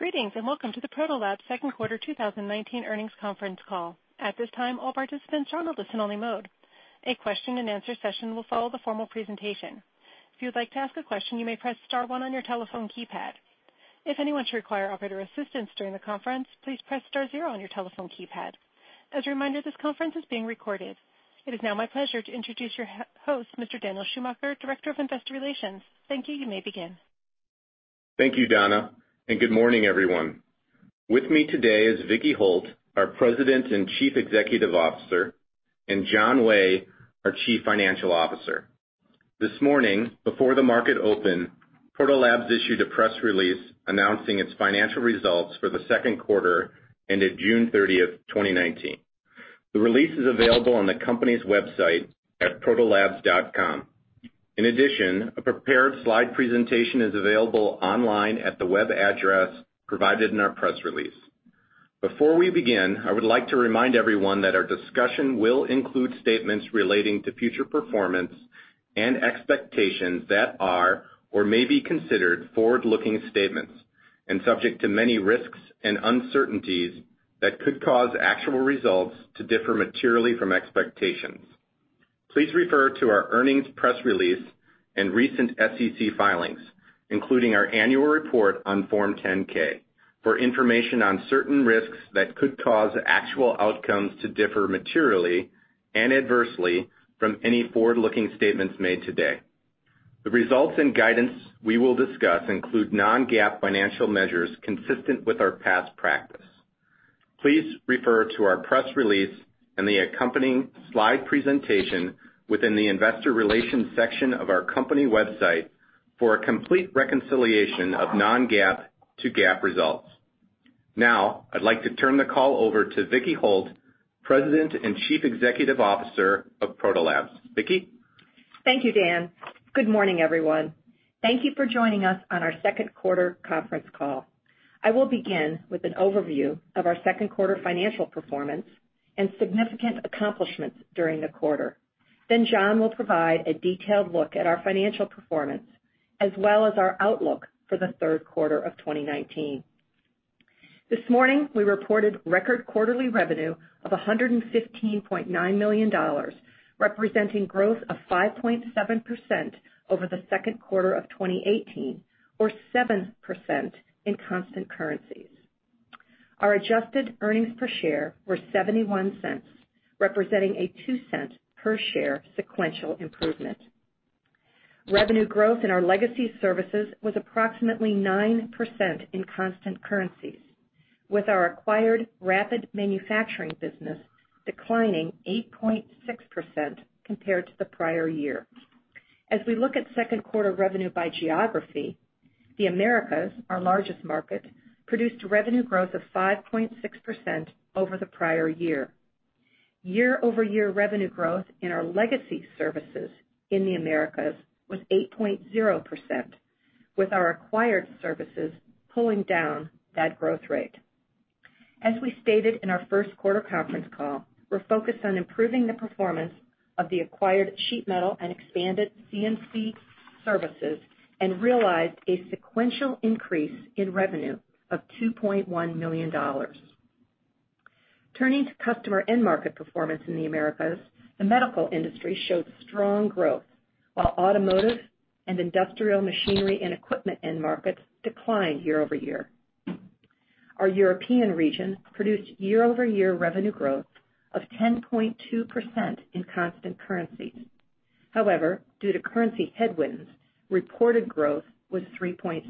Greetings, welcome to the Proto Labs second quarter 2019 earnings conference call. At this time, all participants are on listen only mode. A question and answer session will follow the formal presentation. If you'd like to ask a question, you may press star one on your telephone keypad. If anyone should require operator assistance during the conference, please press star zero on your telephone keypad. As a reminder, this conference is being recorded. It is now my pleasure to introduce your host, Mr. Daniel Schumacher, Director of Investor Relations. Thank you. You may begin. Thank you, Donna, and good morning, everyone. With me today is Vicki Holt, our President and Chief Executive Officer, and John Way, our Chief Financial Officer. This morning, before the market open, Proto Labs issued a press release announcing its financial results for the second quarter ended June 30th, 2019. The release is available on the company's website at protolabs.com. In addition, a prepared slide presentation is available online at the web address provided in our press release. Before we begin, I would like to remind everyone that our discussion will include statements relating to future performance and expectations that are or may be considered forward-looking statements and subject to many risks and uncertainties that could cause actual results to differ materially from expectations. Please refer to our earnings press release and recent SEC filings, including our annual report on Form 10-K for information on certain risks that could cause actual outcomes to differ materially and adversely from any forward-looking statements made today. The results and guidance we will discuss include non-GAAP financial measures consistent with our past practice. Please refer to our press release and the accompanying slide presentation within the investor relations section of our company website for a complete reconciliation of non-GAAP to GAAP results. Now, I'd like to turn the call over to Vicki Holt, President and Chief Executive Officer of Proto Labs. Vicki? Thank you, Dan. Good morning, everyone. Thank you for joining us on our second quarter conference call. I will begin with an overview of our second quarter financial performance and significant accomplishments during the quarter. John will provide a detailed look at our financial performance, as well as our outlook for the third quarter of 2019. This morning, we reported record quarterly revenue of $115.9 million, representing growth of 5.7% over the second quarter of 2018 or 7% in constant currencies. Our adjusted earnings per share were $0.71, representing a $0.02 per share sequential improvement. Revenue growth in our legacy services was approximately 9% in constant currencies, with our acquired Rapid Manufacturing business declining 8.6% compared to the prior year. As we look at second quarter revenue by geography, the Americas, our largest market, produced revenue growth of 5.6% over the prior year. Year-over-year revenue growth in our legacy services in the Americas was 8.0%, with our acquired services pulling down that growth rate. As we stated in our first quarter conference call, we're focused on improving the performance of the acquired sheet metal and expanded CNC services and realized a sequential increase in revenue of $2.1 million. Turning to customer end market performance in the Americas, the medical industry showed strong growth, while automotive and industrial machinery and equipment end markets declined year-over-year. Our European region produced year-over-year revenue growth of 10.2% in constant currency. However, due to currency headwinds, reported growth was 3.6%.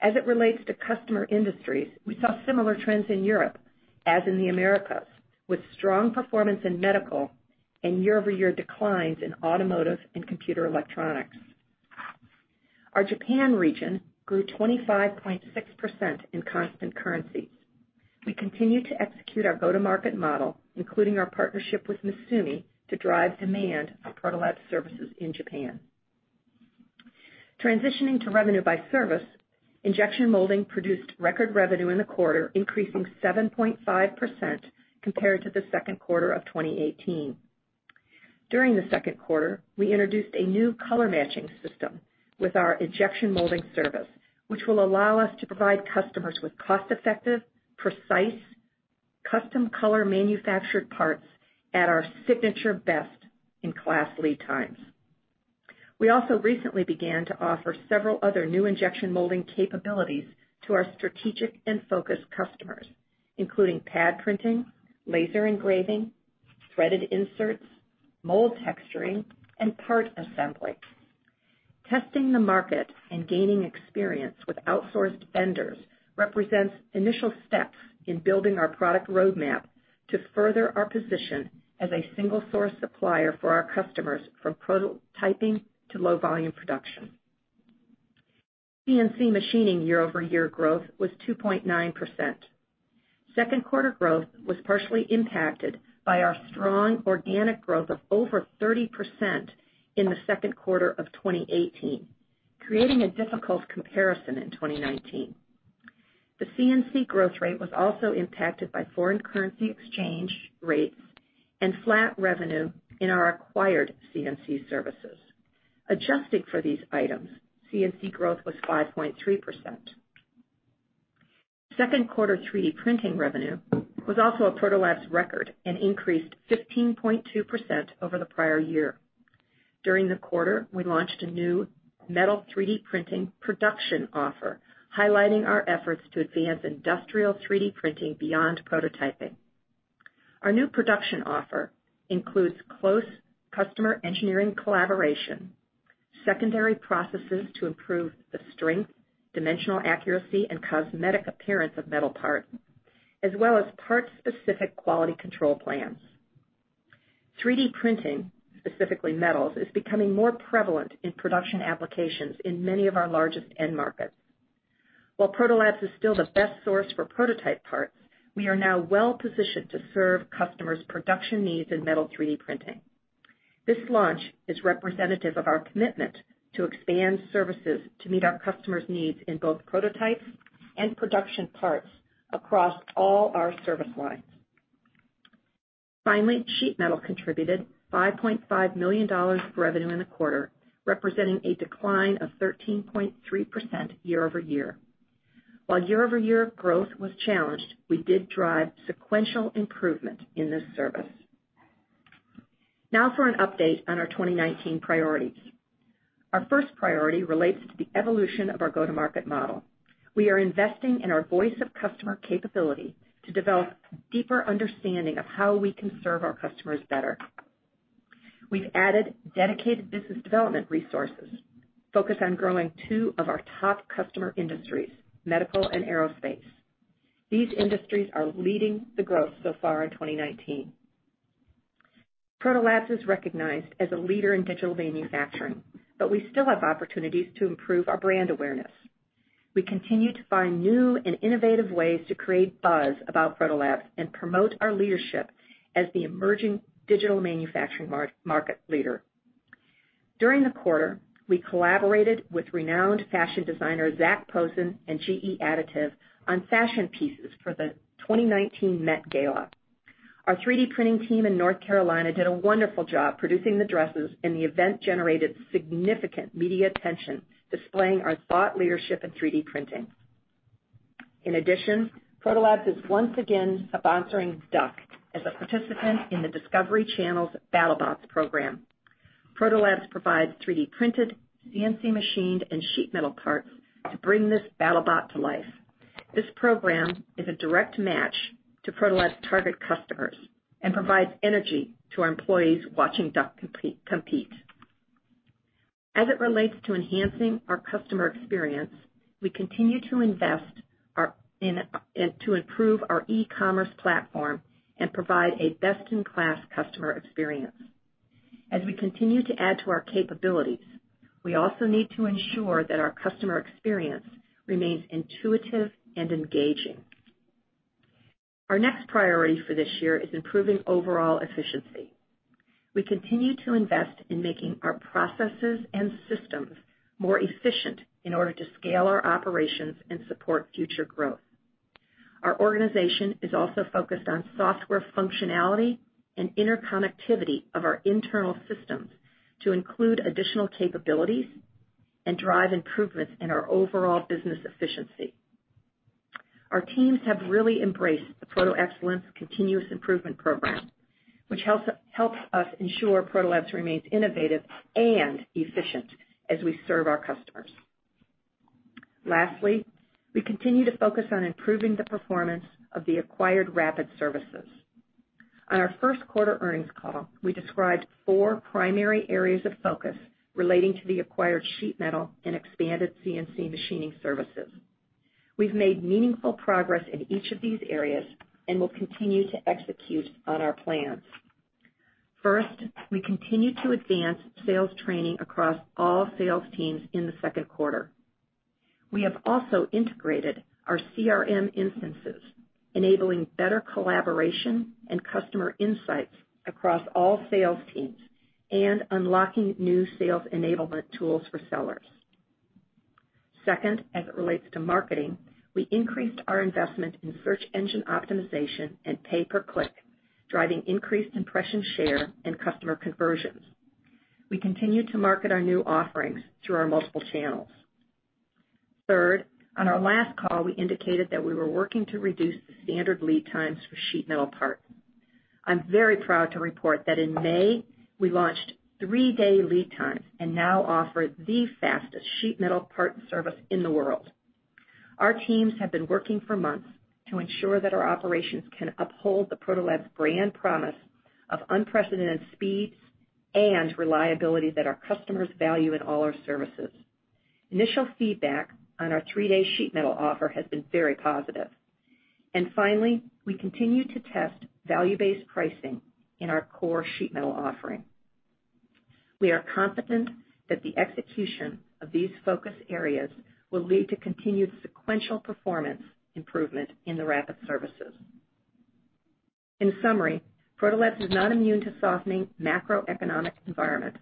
As it relates to customer industries, we saw similar trends in Europe as in the Americas, with strong performance in medical and year-over-year declines in automotive and computer electronics. Our Japan region grew 25.6% in constant currency. We continue to execute our go-to-market model, including our partnership with Misumi to drive demand for Proto Labs services in Japan. Transitioning to revenue by service, injection molding produced record revenue in the quarter, increasing 7.5% compared to the second quarter of 2018. During the second quarter, we introduced a new color matching system with our injection molding service, which will allow us to provide customers with cost effective, precise, custom color manufactured parts at our signature best in class lead times. We also recently began to offer several other new injection molding capabilities to our strategic and focused customers, including pad printing, laser engraving, threaded inserts, mold texturing, and part assembly. Testing the market and gaining experience with outsourced vendors represents initial steps in building our product roadmap to further our position as a single source supplier for our customers from prototyping to low volume production. CNC machining year-over-year growth was 2.9%. Second quarter growth was partially impacted by our strong organic growth of over 30% in the second quarter of 2018, creating a difficult comparison in 2019. The CNC growth rate was also impacted by foreign currency exchange rates and flat revenue in our acquired CNC services. Adjusting for these items, CNC growth was 5.3%. Second quarter 3D printing revenue was also a Proto Labs record and increased 15.2% over the prior year. During the quarter, we launched a new metal 3D printing production offer, highlighting our efforts to advance industrial 3D printing beyond prototyping. Our new production offer includes close customer engineering collaboration, secondary processes to improve the strength, dimensional accuracy, and cosmetic appearance of metal parts, as well as part-specific quality control plans. 3D printing, specifically metals, is becoming more prevalent in production applications in many of our largest end markets. Proto Labs is still the best source for prototype parts, we are now well-positioned to serve customers' production needs in metal 3D printing. This launch is representative of our commitment to expand services to meet our customers' needs in both prototypes and production parts across all our service lines. Sheet metal contributed $5.5 million of revenue in the quarter, representing a decline of 13.3% year-over-year. Year-over-year growth was challenged, we did drive sequential improvement in this service. For an update on our 2019 priorities. Our first priority relates to the evolution of our go-to-market model. We are investing in our voice of customer capability to develop deeper understanding of how we can serve our customers better. We've added dedicated business development resources focused on growing two of our top customer industries, medical and aerospace. These industries are leading the growth so far in 2019. Proto Labs is recognized as a leader in digital manufacturing, but we still have opportunities to improve our brand awareness. We continue to find new and innovative ways to create buzz about Proto Labs and promote our leadership as the emerging digital manufacturing market leader. During the quarter, we collaborated with renowned fashion designer Zac Posen and GE Additive on fashion pieces for the 2019 Met Gala. Our 3D printing team in North Carolina did a wonderful job producing the dresses, and the event generated significant media attention, displaying our thought leadership in 3D printing. In addition, Proto Labs is once again sponsoring DUCK! as a participant in the Discovery Channel's BattleBots program. Proto Labs provides 3D-printed CNC machined and sheet metal parts to bring this BattleBot to life. This program is a direct match to Proto Labs' target customers and provides energy to our employees watching DUCK! compete. As it relates to enhancing our customer experience, we continue to invest to improve our e-commerce platform and provide a best-in-class customer experience. As we continue to add to our capabilities, we also need to ensure that our customer experience remains intuitive and engaging. Our next priority for this year is improving overall efficiency. We continue to invest in making our processes and systems more efficient in order to scale our operations and support future growth. Our organization is also focused on software functionality and interconnectivity of our internal systems to include additional capabilities and drive improvements in our overall business efficiency. Our teams have really embraced the Proto Excellence Continuous Improvement program, which helps us ensure Proto Labs remains innovative and efficient as we serve our customers. Lastly, we continue to focus on improving the performance of the acquired rapid services. On our first quarter earnings call, we described four primary areas of focus relating to the acquired sheet metal and expanded CNC machining services. We've made meaningful progress in each of these areas and will continue to execute on our plans. First, we continue to advance sales training across all sales teams in the second quarter. We have also integrated our CRM instances, enabling better collaboration and customer insights across all sales teams and unlocking new sales enablement tools for sellers. Second, as it relates to marketing, we increased our investment in search engine optimization and pay per click, driving increased impression share and customer conversions. We continue to market our new offerings through our multiple channels. Third, on our last call, we indicated that we were working to reduce the standard lead times for sheet metal parts. I'm very proud to report that in May, we launched three-day lead times and now offer the fastest sheet metal parts service in the world. Our teams have been working for months to ensure that our operations can uphold the Proto Labs brand promise of unprecedented speeds and reliability that our customers value in all our services. Initial feedback on our three-day sheet metal offer has been very positive. Finally, we continue to test value-based pricing in our core sheet metal offering. We are confident that the execution of these focus areas will lead to continued sequential performance improvement in the rapid services. In summary, Proto Labs is not immune to softening macroeconomic environment.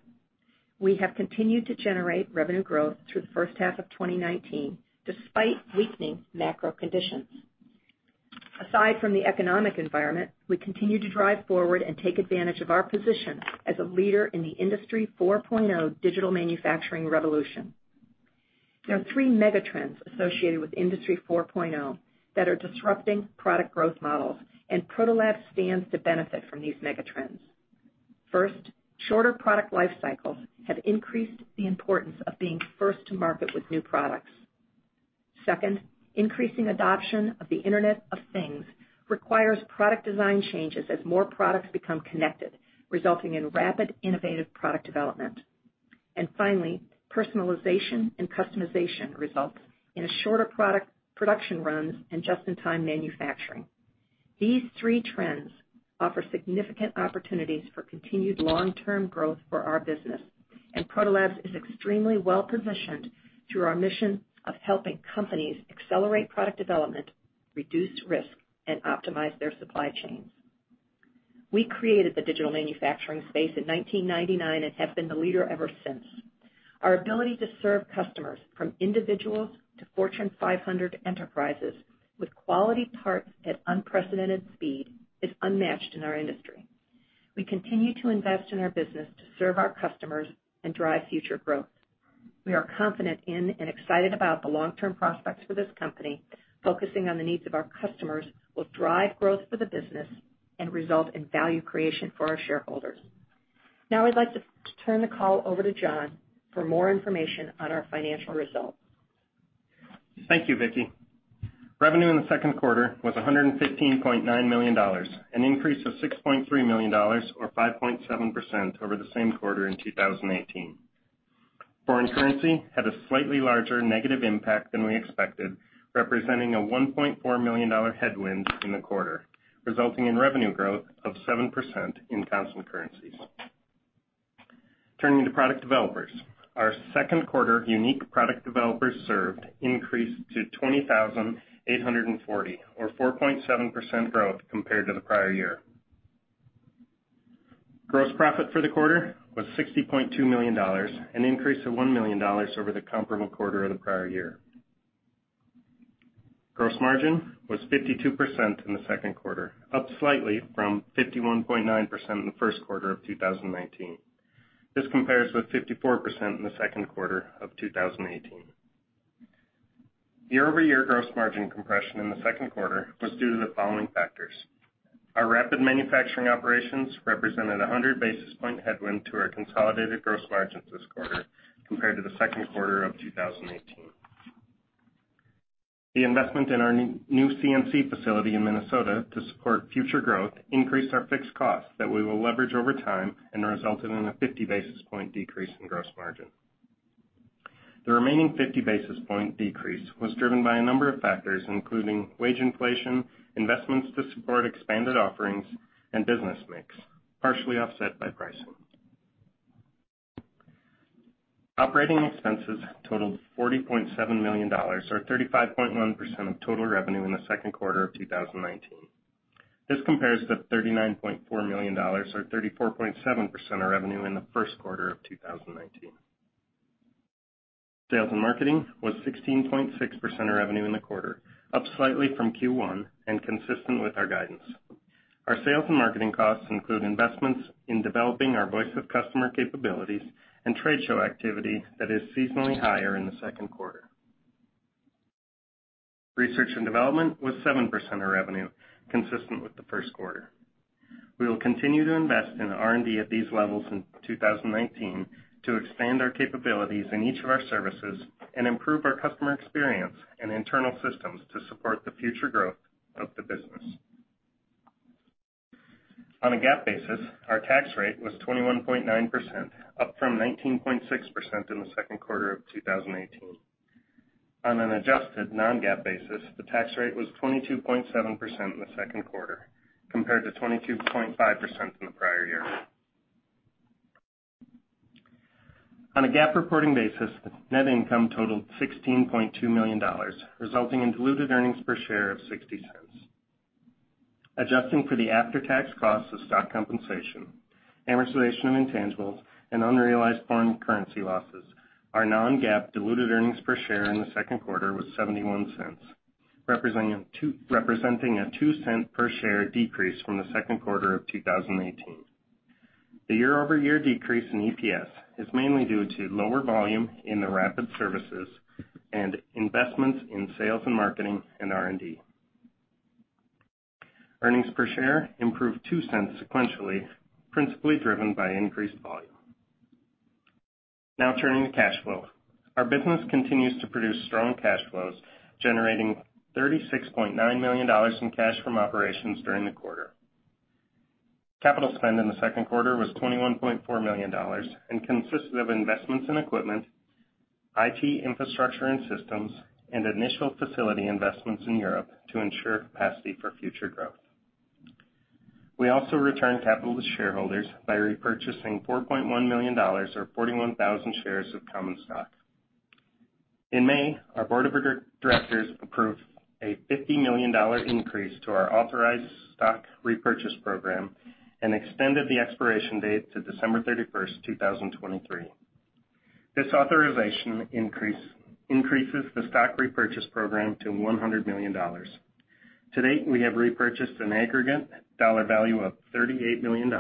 We have continued to generate revenue growth through the first half of 2019, despite weakening macro conditions. Aside from the economic environment, we continue to drive forward and take advantage of our position as a leader in the Industry 4.0 digital manufacturing revolution. There are three megatrends associated with Industry 4.0 that are disrupting product growth models, and Proto Labs stands to benefit from these megatrends. First, shorter product life cycles have increased the importance of being first to market with new products. Second, increasing adoption of the Internet of Things requires product design changes as more products become connected, resulting in rapid innovative product development. Finally, personalization and customization result in a shorter production runs and just-in-time manufacturing. These three trends offer significant opportunities for continued long-term growth for our business, and Proto Labs is extremely well-positioned through our mission of helping companies accelerate product development, reduce risk, and optimize their supply chains. We created the digital manufacturing space in 1999 and have been the leader ever since. Our ability to serve customers, from individuals to Fortune 500 enterprises, with quality parts at unprecedented speed, is unmatched in our industry. We continue to invest in our business to serve our customers and drive future growth. We are confident in and excited about the long-term prospects for this company. Focusing on the needs of our customers will drive growth for the business and result in value creation for our shareholders. Now I'd like to turn the call over to John for more information on our financial results. Thank you, Vicki. Revenue in the second quarter was $115.9 million, an increase of $6.3 million or 5.7% over the same quarter in 2018. Foreign currency had a slightly larger negative impact than we expected, representing a $1.4 million headwind in the quarter, resulting in revenue growth of 7% in constant currencies. Turning to product developers. Our second quarter unique product developers served increased to 20,840, or 4.7% growth compared to the prior year. Gross profit for the quarter was $60.2 million, an increase of $1 million over the comparable quarter of the prior year. Gross margin was 52% in the second quarter, up slightly from 51.9% in the first quarter of 2019. This compares with 54% in the second quarter of 2018. The year-over-year gross margin compression in the second quarter was due to the following factors. Our Rapid Manufacturing operations represented a 100-basis-point headwind to our consolidated gross margins this quarter compared to the second quarter of 2018. The investment in our new CNC facility in Minnesota to support future growth increased our fixed costs that we will leverage over time and resulted in a 50-basis-point decrease in gross margin. The remaining 50-basis-point decrease was driven by a number of factors, including wage inflation, investments to support expanded offerings, and business mix, partially offset by pricing. Operating expenses totaled $40.7 million or 35.1% of total revenue in the second quarter of 2019. This compares to $39.4 million or 34.7% of revenue in the first quarter of 2019. Sales and marketing was 16.6% of revenue in the quarter, up slightly from Q1 and consistent with our guidance. Our sales and marketing costs include investments in developing our voice of customer capabilities and trade show activity that is seasonally higher in the second quarter. Research and development was 7% of revenue, consistent with the first quarter. We will continue to invest in R&D at these levels in 2019 to expand our capabilities in each of our services and improve our customer experience and internal systems to support the future growth of the business. On a GAAP basis, our tax rate was 21.9%, up from 19.6% in the second quarter of 2018. On an adjusted non-GAAP basis, the tax rate was 22.7% in the second quarter, compared to 22.5% in the prior year. On a GAAP reporting basis, net income totaled $16.2 million, resulting in diluted earnings per share of $0.60. Adjusting for the after-tax cost of stock compensation, amortization of intangibles, and unrealized foreign currency losses, our non-GAAP diluted earnings per share in the second quarter was $0.71, representing a $0.02 per share decrease from the second quarter of 2018. The year-over-year decrease in EPS is mainly due to lower volume in the rapid services and investments in sales and marketing and R&D. Earnings per share improved $0.02 sequentially, principally driven by increased volume. Now turning to cash flow. Our business continues to produce strong cash flows, generating $36.9 million in cash from operations during the quarter. Capital spend in the second quarter was $21.4 million and consisted of investments in equipment, IT infrastructure and systems, and initial facility investments in Europe to ensure capacity for future growth. We also returned capital to shareholders by repurchasing $4.1 million or 41,000 shares of common stock. In May, our board of directors approved a $50 million increase to our authorized stock repurchase program and extended the expiration date to December 31st, 2023. This authorization increases the stock repurchase program to $100 million. To date, we have repurchased an aggregate dollar value of $38 million,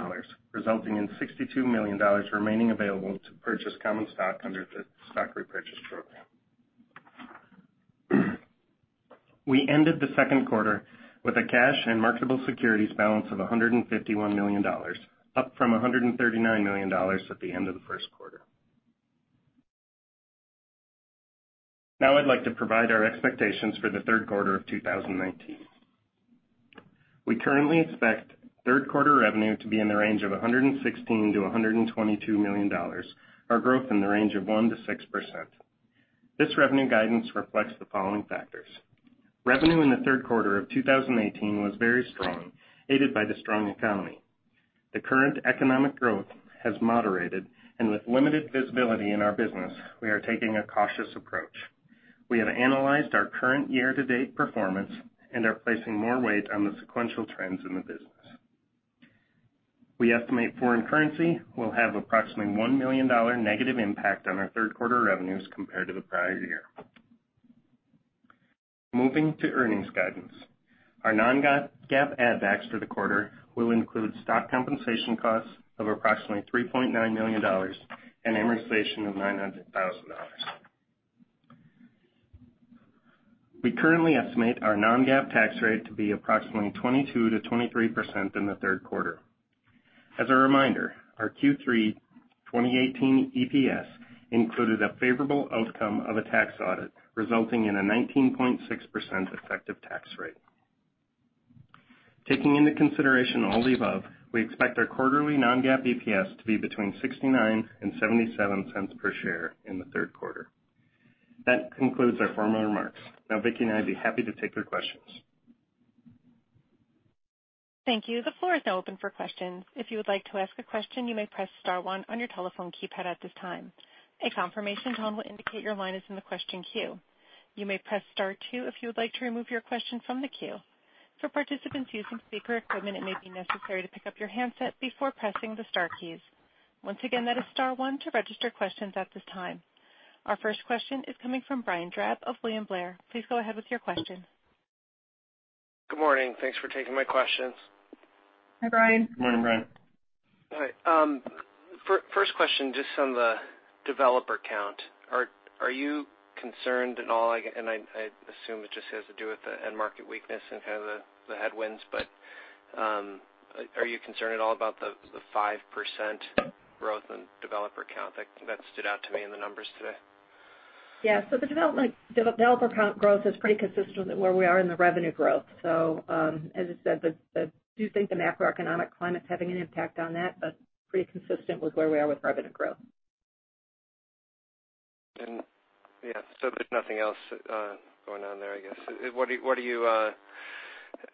resulting in $62 million remaining available to purchase common stock under the stock repurchase program. We ended the second quarter with a cash and marketable securities balance of $151 million, up from $139 million at the end of the first quarter. Now I'd like to provide our expectations for the third quarter of 2019. We currently expect third quarter revenue to be in the range of $116 million-$122 million, or growth in the range of 1%-6%. This revenue guidance reflects the following factors. Revenue in the third quarter of 2018 was very strong, aided by the strong economy. The current economic growth has moderated, and with limited visibility in our business, we are taking a cautious approach. We have analyzed our current year-to-date performance and are placing more weight on the sequential trends in the business. We estimate foreign currency will have approximately $1 million negative impact on our third quarter revenues compared to the prior year. Moving to earnings guidance. Our non-GAAP add backs for the quarter will include stock compensation costs of approximately $3.9 million and amortization of $900,000. We currently estimate our non-GAAP tax rate to be approximately 22% to 23% in the third quarter. As a reminder, our Q3 2018 EPS included a favorable outcome of a tax audit, resulting in a 19.6% effective tax rate. Taking into consideration all the above, we expect our quarterly non-GAAP EPS to be between $0.69 and $0.77 per share in the third quarter. That concludes our formal remarks. Now, Vicki and I'd be happy to take your questions. Thank you. The floor is now open for questions. If you would like to ask a question, you may press star one on your telephone keypad at this time. A confirmation tone will indicate your line is in the question queue. You may press star two if you would like to remove your question from the queue. For participants using speaker equipment, it may be necessary to pick up your handset before pressing the star keys. Once again, that is star one to register questions at this time. Our first question is coming from Brian Drab of William Blair. Please go ahead with your question. Good morning. Thanks for taking my questions. Hi, Brian. Good morning, Brian. All right. First question, just on the developer count. Are you concerned at all, and I assume it just has to do with the end market weakness and the headwinds, but are you concerned at all about the 5% growth in developer count? That stood out to me in the numbers today. Yeah. The developer count growth is pretty consistent with where we are in the revenue growth. As I said, I do think the macroeconomic climate's having an impact on that, but pretty consistent with where we are with revenue growth. There's nothing else going on there, I guess. What are you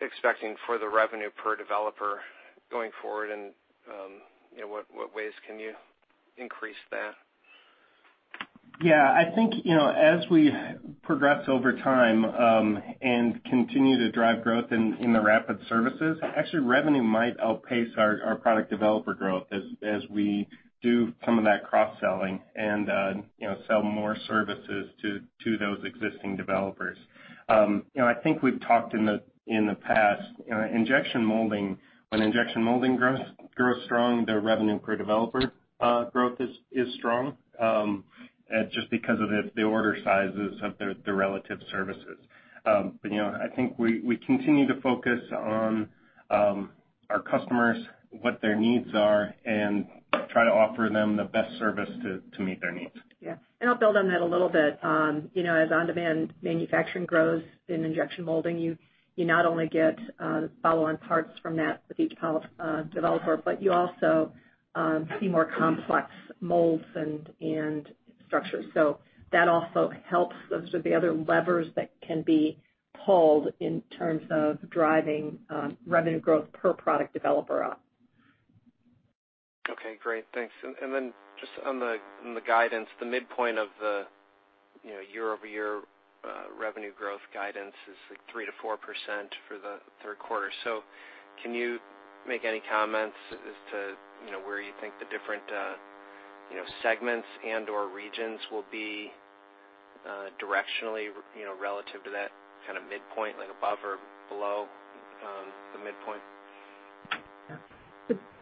expecting for the revenue per developer going forward, and what ways can you increase that? Yeah, I think, as we progress over time, and continue to drive growth in the rapid services, actually revenue might outpace our product developer growth as we do some of that cross-selling and sell more services to those existing developers. I think we've talked in the past, when injection molding grows strong, the revenue per developer growth is strong, just because of the order sizes of the relative services. I think we continue to focus on our customers, what their needs are, and try to offer them the best service to meet their needs. Yeah. I'll build on that a little bit. As on-demand manufacturing grows in injection molding, you not only get the follow-on parts from that with each developer, but you also see more complex molds and structures. That also helps. Those are the other levers that can be pulled in terms of driving revenue growth per product developer up. Okay, great. Thanks. Then just on the guidance, the midpoint of the year-over-year revenue growth guidance is 3%-4% for the third quarter. Can you make any comments as to where you think the different segments and/or regions will be directionally relative to that midpoint, like above or below the midpoint?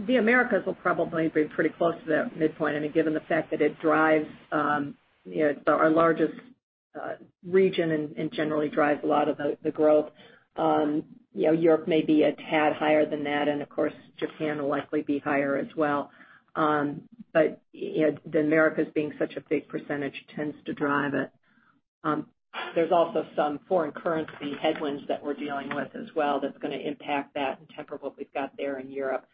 The Americas will probably be pretty close to that midpoint, given the fact that it drives our largest region and generally drives a lot of the growth. Europe may be a tad higher than that, of course, Japan will likely be higher as well. The Americas being such a big percentage tends to drive it. There's also some foreign currency headwinds that we're dealing with as well that's going to impact that and temper what we've got there in Europe.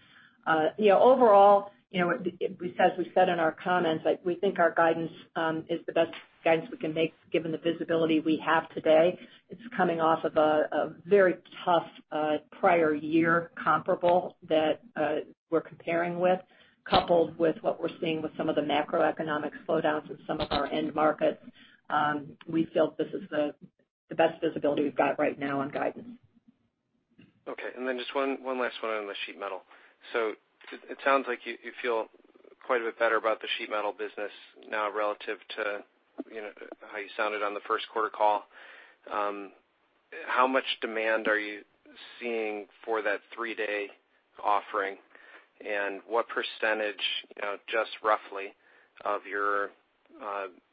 Overall, as we said in our comments, we think our guidance is the best guidance we can make given the visibility we have today. It's coming off of a very tough prior year comparable that we're comparing with, coupled with what we're seeing with some of the macroeconomic slowdowns in some of our end markets. We feel this is the best visibility we've got right now on guidance. Okay. Just one last one on the sheet metal. It sounds like you feel quite a bit better about the sheet metal business now relative to how you sounded on the first quarter call. How much demand are you seeing for that three-day offering, and what percentage, just roughly, of your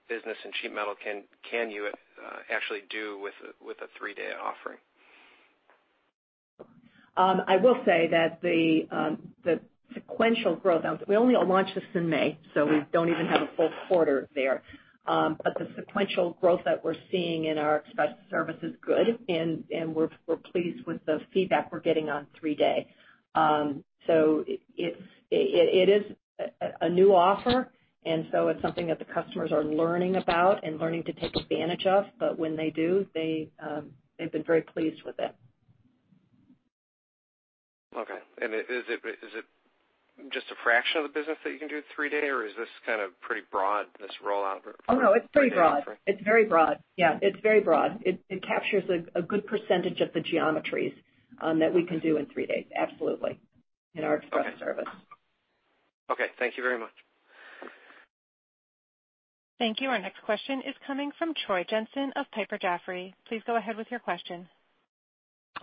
business in sheet metal can you actually do with a three-day offering? I will say that the sequential growth. We only launched this in May, so we don't even have a full quarter there. The sequential growth that we're seeing in our express service is good, and we're pleased with the feedback we're getting on three-day. It is a new offer, and so it's something that the customers are learning about and learning to take advantage of. When they do, they've been very pleased with it. Okay. Is it just a fraction of the business that you can do with three-day, or is this kind of pretty broad, this rollout? Oh, no, it's pretty broad. It's very broad. Yeah. It's very broad. It captures a good % of the geometries that we can do in three days. Absolutely. In our express service. Okay. Thank you very much. Thank you. Our next question is coming from Troy Jensen of Piper Jaffray. Please go ahead with your question.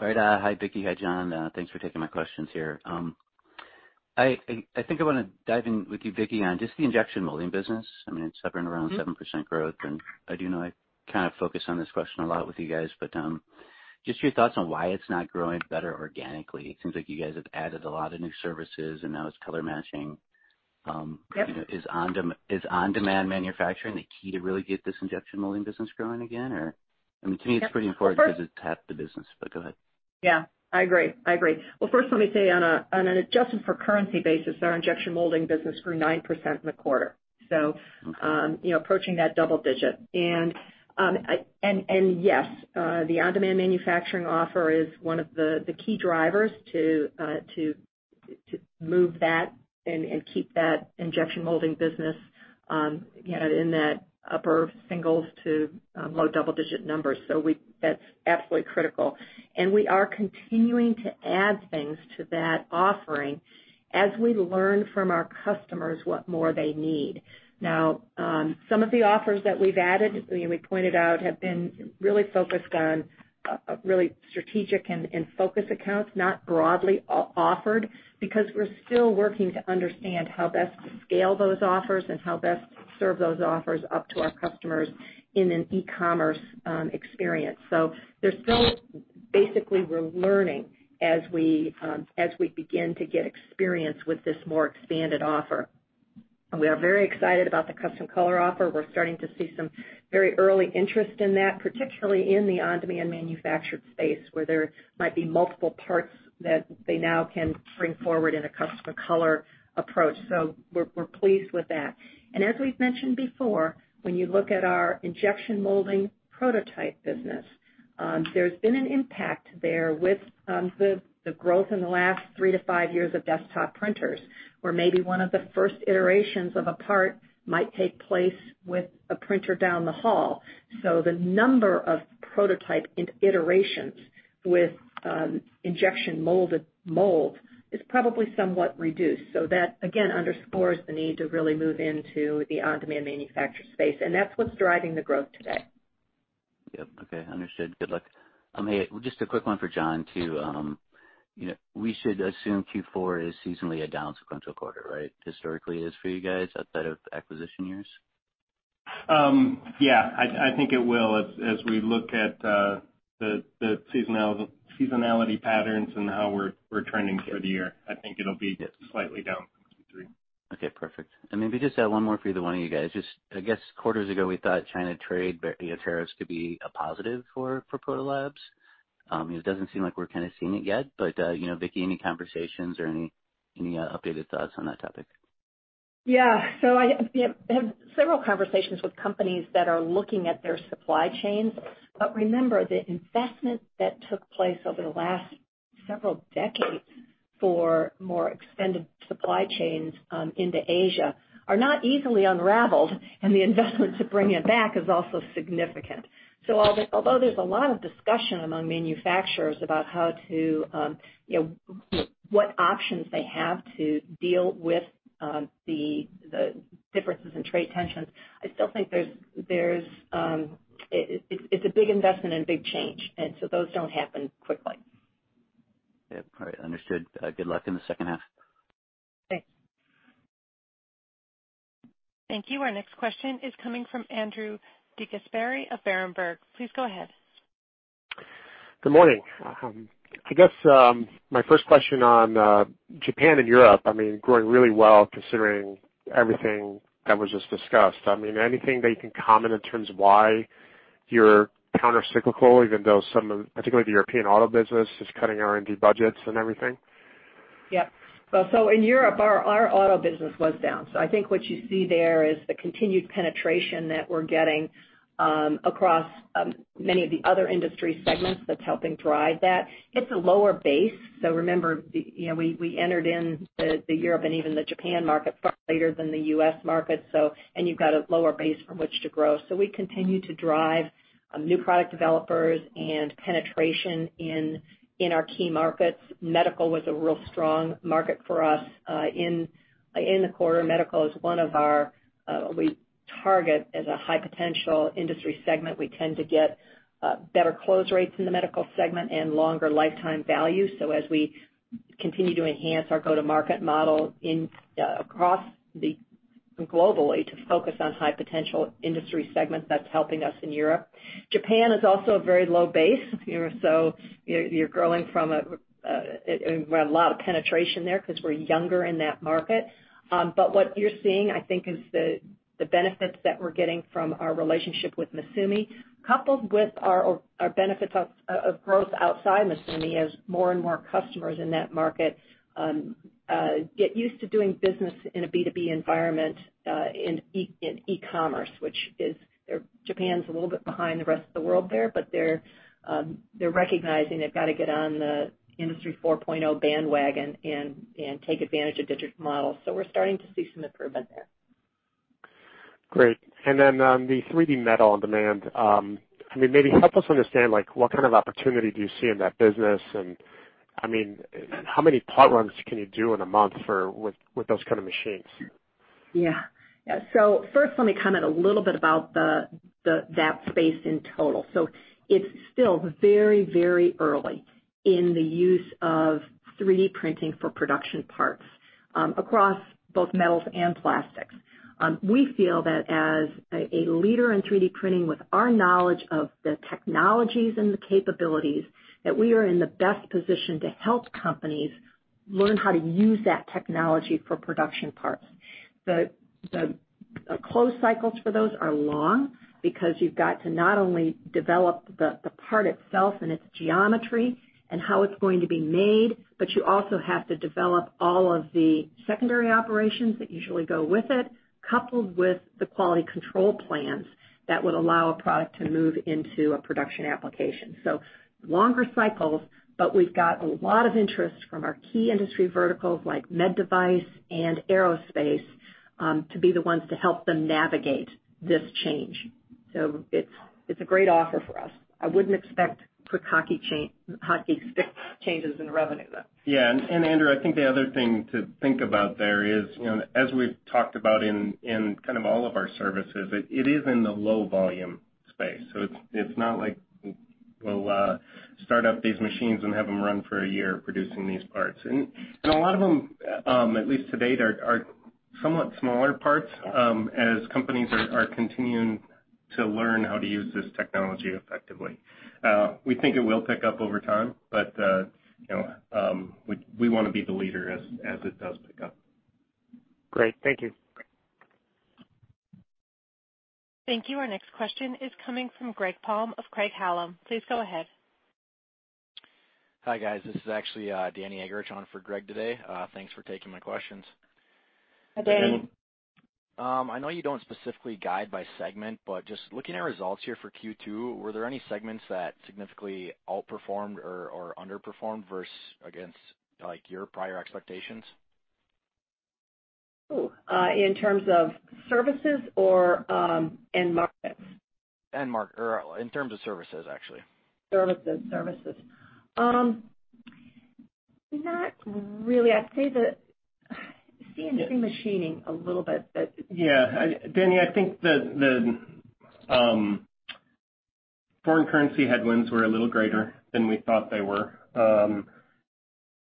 All right. Hi, Vicki. Hi, John. Thanks for taking my questions here. I think I want to dive in with you, Vicki, on just the injection molding business. It's hovering around 7% growth, and I do know I kind of focus on this question a lot with you guys, but just your thoughts on why it's not growing better organically. It seems like you guys have added a lot of new services, and now it's color matching. Yep. Is on-demand manufacturing the key to really get this injection molding business growing again? To me, it's pretty important because it's half the business, but go ahead. Yeah, I agree. Well, first let me say, on an adjusted for currency basis, our injection molding business grew 9% in the quarter. Okay approaching that double-digit. Yes, the on-demand manufacturing offer is one of the key drivers to move that and keep that injection molding business in that upper singles to low double-digit numbers. That's absolutely critical. We are continuing to add things to that offering as we learn from our customers what more they need. Now, some of the offers that we've added, we pointed out, have been really focused on really strategic and focus accounts, not broadly offered, because we're still working to understand how best to scale those offers and how best to serve those offers up to our customers in an e-commerce experience. There's still, basically, we're learning as we begin to get experience with this more expanded offer. We are very excited about the custom color offer. We're starting to see some very early interest in that, particularly in the on-demand manufacture space, where there might be multiple parts that they now can bring forward in a custom color approach. We're pleased with that. As we've mentioned before, when you look at our injection molding prototype business, there's been an impact there with the growth in the last 3 to 5 years of desktop printers, where maybe one of the first iterations of a part might take place with a printer down the hall. The number of prototype iterations with injection mold is probably somewhat reduced. That, again, underscores the need to really move into the on-demand manufacture space, and that's what's driving the growth today. Yep. Okay. Understood. Good luck. Hey, just a quick one for John, too. We should assume Q4 is seasonally a down sequential quarter, right? Historically is for you guys, outside of acquisition years? Yeah, I think it will as we look at the seasonality patterns and how we're trending for the year. I think it'll be slightly down from Q3. Okay, perfect. Maybe just add one more for either one of you guys. Just, I guess quarters ago, we thought China trade tariffs could be a positive for Proto Labs. It doesn't seem like we're kind of seeing it yet, but Vicki, any conversations or any updated thoughts on that topic? Yeah. I have several conversations with companies that are looking at their supply chains. Remember, the investment that took place over the last several decades for more extended supply chains into Asia are not easily unraveled, and the investment to bring it back is also significant. Although there's a lot of discussion among manufacturers about what options they have to deal with the differences in trade tensions, I still think it's a big investment and a big change, and those don't happen quickly. Yep. All right. Understood. Good luck in the second half. Thanks. Thank you. Our next question is coming from Andrew DeGasperi of Berenberg. Please go ahead. Good morning. I guess my first question on Japan and Europe, growing really well considering everything that was just discussed. Anything that you can comment in terms of why you're countercyclical, even though some of, particularly the European auto business, is cutting R&D budgets and everything? Yep. In Europe, our auto business was down. I think what you see there is the continued penetration that we're getting across many of the other industry segments that's helping drive that. It's a lower base. Remember, we entered in the Europe and even the Japan market far later than the U.S. market, and you've got a lower base from which to grow. We continue to drive new product developers and penetration in our key markets. Medical was a real strong market for us in the quarter. Medical is one of our we target as a high potential industry segment. We tend to get better close rates in the medical segment and longer lifetime value. As we continue to enhance our go-to-market model globally to focus on high potential industry segments, that's helping us in Europe. Japan is also a very low base. You're growing from a lot of penetration there because we're younger in that market. What you're seeing, I think, is the benefits that we're getting from our relationship with Misumi, coupled with our benefits of growth outside Misumi as more and more customers in that market get used to doing business in a B2B environment in e-commerce, which Japan's a little bit behind the rest of the world there, but they're recognizing they've got to get on the Industry 4.0 bandwagon and take advantage of digital models. We're starting to see some improvement there. Great. The 3D metal on demand, maybe help us understand what kind of opportunity do you see in that business, and how many part runs can you do in a month with those kind of machines? Yeah. First, let me comment a little bit about that space in total. It's still very early in the use of 3D printing for production parts, across both metals and plastics. We feel that as a leader in 3D printing with our knowledge of the technologies and the capabilities, that we are in the best position to help companies learn how to use that technology for production parts. The close cycles for those are long because you've got to not only develop the part itself and its geometry and how it's going to be made, but you also have to develop all of the secondary operations that usually go with it, coupled with the quality control plans that would allow a product to move into a production application. Longer cycles, but we've got a lot of interest from our key industry verticals like med device and aerospace, to be the ones to help them navigate this change. It's a great offer for us. I wouldn't expect quick hockey stick changes in revenue, though. Yeah. Andrew, I think the other thing to think about there is, as we've talked about in kind of all of our services, it is in the low volume space. It's not like we'll start up these machines and have them run for a year producing these parts. A lot of them, at least to date, are somewhat smaller parts, as companies are continuing to learn how to use this technology effectively. We think it will pick up over time, but we want to be the leader as it does pick up. Great. Thank you. Thank you. Our next question is coming from Greg Palm of Craig-Hallum. Please go ahead. Hi, guys. This is actually Danny Eggerichs on for Greg today. Thanks for taking my questions. Hi, Danny. Hi, Danny. I know you don't specifically guide by segment, just looking at results here for Q2, were there any segments that significantly outperformed or underperformed versus against your prior expectations? In terms of services and markets? In terms of services, actually. Services. Not really. I'd say the CNC machining a little bit. Yeah. Danny, I think the foreign currency headwinds were a little greater than we thought they were.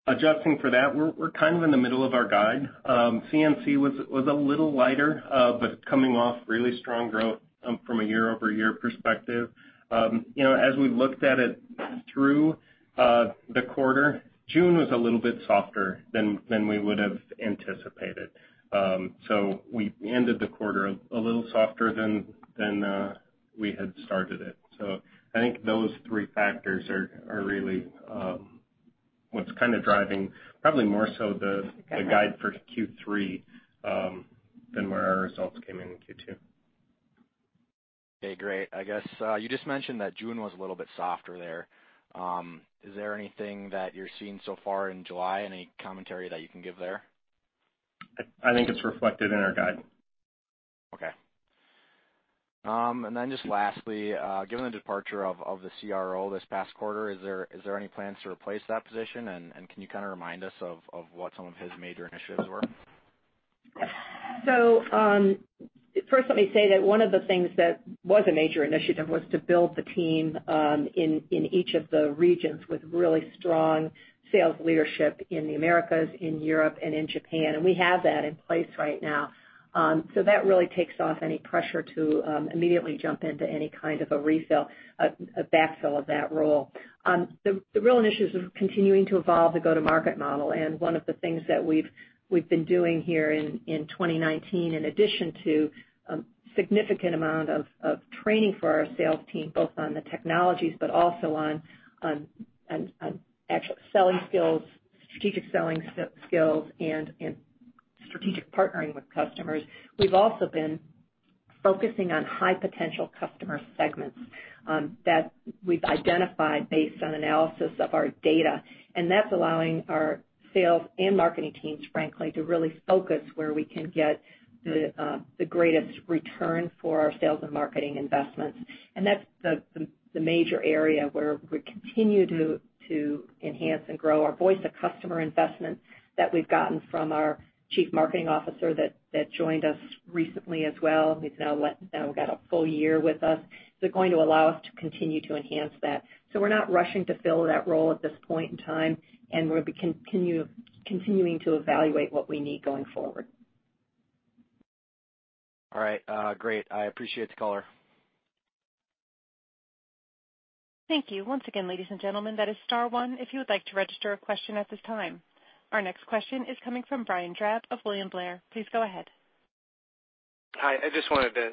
Adjusting for that, we're kind of in the middle of our guide. CNC was a little lighter, but coming off really strong growth from a year-over-year perspective. As we looked at it through the quarter, June was a little bit softer than we would have anticipated. We ended the quarter a little softer than we had started it. I think those three factors are really what's kind of driving probably more so the guide for Q3 than where our results came in in Q2. Okay, great. I guess you just mentioned that June was a little bit softer there. Is there anything that you're seeing so far in July? Any commentary that you can give there? I think it's reflected in our guide. Okay. Just lastly, given the departure of the CRO this past quarter, is there any plans to replace that position, and can you kind of remind us of what some of his major initiatives were? First let me say that one of the things that was a major initiative was to build the team in each of the regions with really strong sales leadership in the Americas, in Europe, and in Japan. We have that in place right now. That really takes off any pressure to immediately jump into any kind of a backfill of that role. The real initiatives are continuing to evolve the go-to-market model, and one of the things that we've been doing here in 2019, in addition to a significant amount of training for our sales team, both on the technologies, but also on actual selling skills, strategic selling skills, and strategic partnering with customers. We've also been focusing on high potential customer segments that we've identified based on analysis of our data. That's allowing our sales and marketing teams, frankly, to really focus where we can get the greatest return for our sales and marketing investments. That's the major area where we continue to enhance and grow our voice of customer investment that we've gotten from our chief marketing officer that joined us recently as well, who's now got a full year with us. They're going to allow us to continue to enhance that. We're not rushing to fill that role at this point in time, and we'll be continuing to evaluate what we need going forward. All right. Great. I appreciate the color. Thank you. Once again, ladies and gentlemen, that is star one if you would like to register a question at this time. Our next question is coming from Brian Drab of William Blair. Please go ahead. Hi. I just wanted to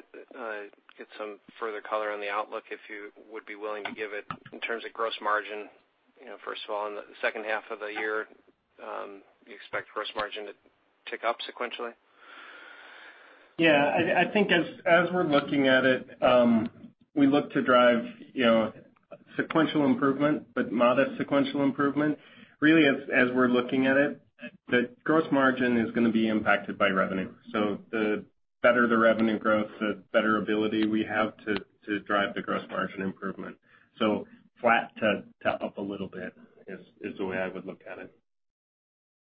get some further color on the outlook, if you would be willing to give it in terms of gross margin, first of all, in the second half of the year, do you expect gross margin to tick up sequentially? Yeah. I think as we're looking at it, we look to drive sequential improvement, but modest sequential improvement. Really, as we're looking at it, the gross margin is going to be impacted by revenue. The better the revenue growth, the better ability we have to drive the gross margin improvement. Flat to up a little bit is the way I would look at it.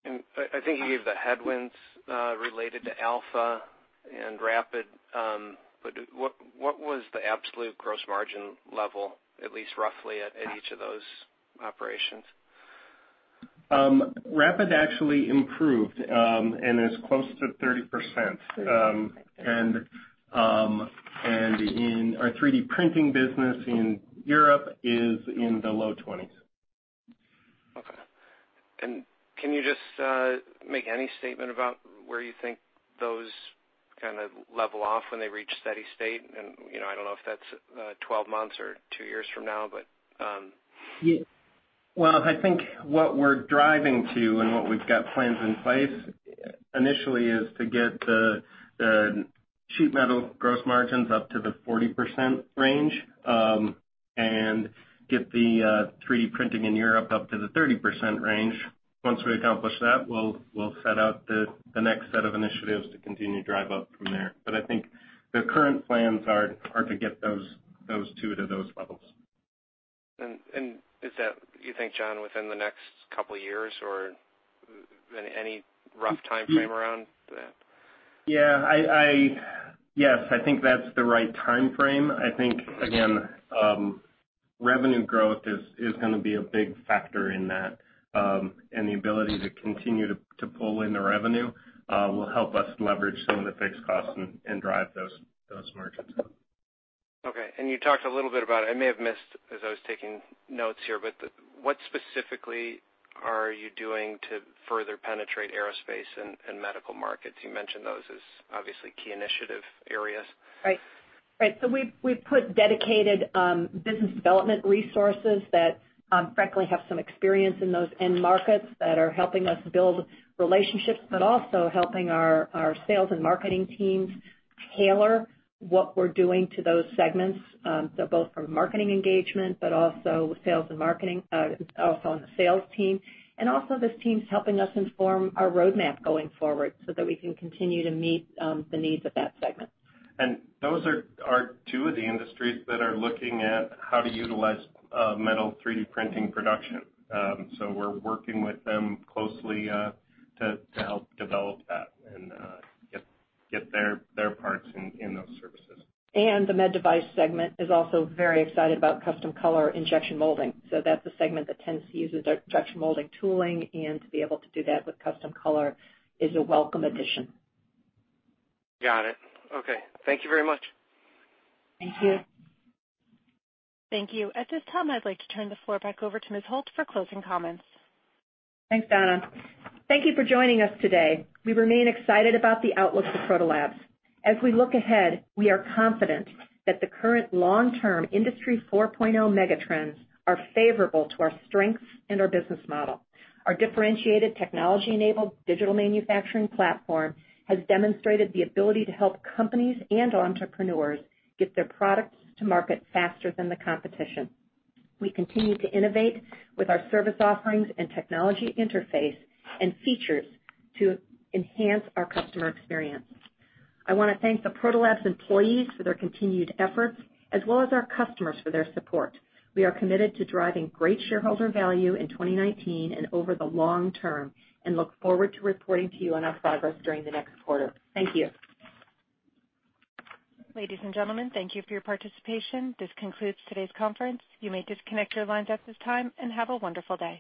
I think you gave the headwinds related to Alpha and Rapid, but what was the absolute gross margin level, at least roughly, at each of those operations? Rapid actually improved and is close to 30%. Our 3D printing business in Europe is in the low twenties. Okay. Can you just make any statement about where you think those kind of level off when they reach steady state, and I don't know if that's 12 months or two years from now. Well, I think what we're driving to and what we've got plans in place initially is to get the sheet metal gross margins up to the 40% range, and get the 3D printing in Europe up to the 30% range. Once we accomplish that, we'll set out the next set of initiatives to continue to drive up from there. I think the current plans are to get those two to those levels. Is that, you think, John, within the next couple of years or any rough timeframe around that? Yes, I think that's the right timeframe. I think, again, revenue growth is going to be a big factor in that, and the ability to continue to pull in the revenue will help us leverage some of the fixed costs and drive those margins up. Okay, you talked a little bit about, I may have missed as I was taking notes here, what specifically are you doing to further penetrate aerospace and medical markets? You mentioned those as obviously key initiative areas. Right. We've put dedicated business development resources that frankly have some experience in those end markets that are helping us build relationships, but also helping our sales and marketing teams tailor what we're doing to those segments. Both from marketing engagement, but also on the sales team. Also this team's helping us inform our roadmap going forward so that we can continue to meet the needs of that segment. Those are two of the industries that are looking at how to utilize metal 3D printing production. We're working with them closely to help develop that and get their parts in those services. The med device segment is also very excited about custom color injection molding. That's a segment that tends to use injection molding tooling, and to be able to do that with custom color is a welcome addition. Got it. Okay. Thank you very much. Thank you. Thank you. At this time, I'd like to turn the floor back over to Ms. Holt for closing comments. Thanks, Donna. Thank you for joining us today. We remain excited about the outlook for Protolabs. As we look ahead, we are confident that the current long-term Industry 4.0 megatrends are favorable to our strengths and our business model. Our differentiated technology-enabled digital manufacturing platform has demonstrated the ability to help companies and entrepreneurs get their products to market faster than the competition. We continue to innovate with our service offerings and technology interface and features to enhance our customer experience. I want to thank the Protolabs employees for their continued efforts, as well as our customers for their support. We are committed to driving great shareholder value in 2019 and over the long term, and look forward to reporting to you on our progress during the next quarter. Thank you. Ladies and gentlemen, thank you for your participation. This concludes today's conference. You may disconnect your lines at this time. Have a wonderful day.